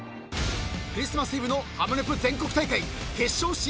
［クリスマスイブの『ハモネプ』全国大会決勝進出を懸けた戦い。